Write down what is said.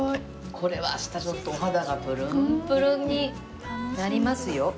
これは明日お肌がプルンプルンになりますよ。